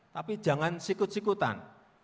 tapi jangan sikut sikutan